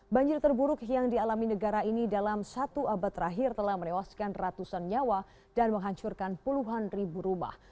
banjir terburuk yang dialami negara ini dalam satu abad terakhir telah menewaskan ratusan nyawa dan menghancurkan puluhan ribu rumah